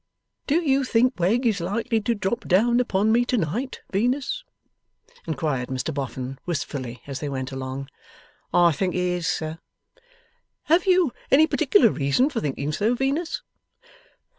'Do you think Wegg is likely to drop down upon me to night, Venus?' inquired Mr Boffin, wistfully, as they went along. 'I think he is, sir.' 'Have you any particular reason for thinking so, Venus?